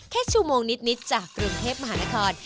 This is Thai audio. แค่ชั่วโมงนิดจากกรุงเทพมหานคร